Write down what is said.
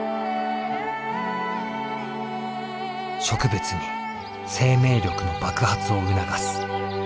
植物に生命力の爆発を促す。